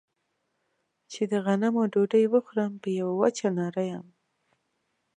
چې د غنمو ډوډۍ وخورم په يوه وچه ناره يم.